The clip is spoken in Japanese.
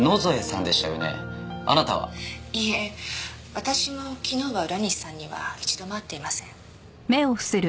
私も昨日は浦西さんには一度も会っていません。